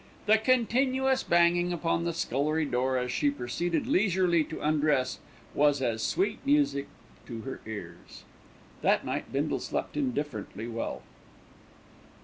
The continuous banging upon the scullery door as she proceeded leisurely to undress was as sweet music to her ears. That night Bindle slept indifferently well.